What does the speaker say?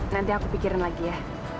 nanti aku pikirin lagi ya